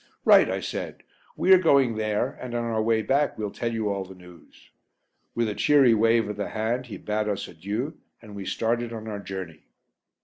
"Right," I said, "we are going there and on our way back we'll tell you all the news." With a cheery wave of the hand he bade us adieu, and we started on our journey.